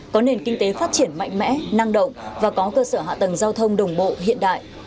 có nền kinh tế phát triển mạnh mẽ năng động và có cơ sở hạ tầng giao thông đồng bộ hiện đại